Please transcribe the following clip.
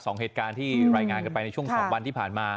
เหตุการณ์ที่รายงานกันไปในช่วงสองวันที่ผ่านมา